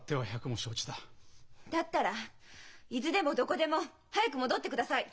だったら伊豆でもどこでも早く戻ってください！